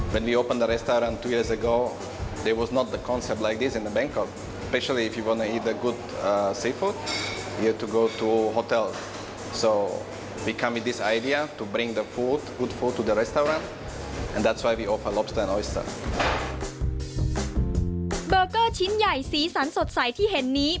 เบอร์เกอร์ชิ้นใหญ่สีสันสดใสที่เห็นนี้